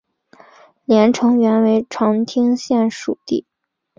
连城原为长汀县属地。